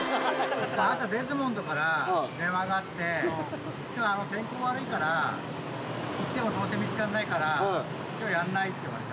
朝、デズモンドから電話があって、きょうは天候悪いから、行ってもどうせ見つかんないからきょうやんないって言われた。